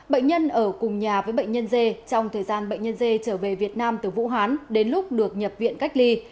bệnh nhân ở cùng nhà với bệnh nhân dê trong thời gian bệnh nhân dê trở về việt nam từ vũ hán đến lúc được nhập viện cách ly